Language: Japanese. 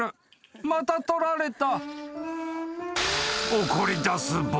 ［また取られた］